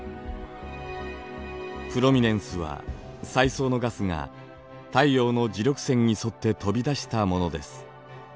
プロミネンスは彩層のガスが太陽の磁力線にそって飛び出したものです。